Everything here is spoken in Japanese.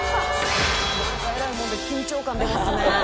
えらいもんで緊張感出ますね。